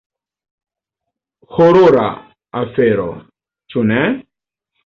Horora afero, ĉu ne?